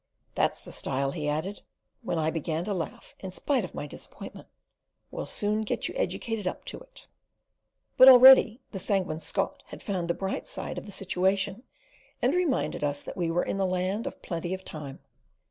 "That's the style," he added, when I began to laugh in spite of my disappointment, "We'll soon get you educated up to it." But already the Sanguine Scot had found the bright side of the situation, and reminded us that we were in the Land of Plenty of Time.